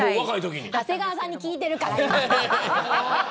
長谷川さんに聞いてるから。